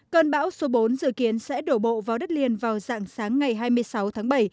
cơn bão số bốn dự kiến sẽ đổ bộ vào đất liền vào dạng sáng ngày hai mươi sáu tháng bảy